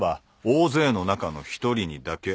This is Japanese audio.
大勢の中の一人にだけ？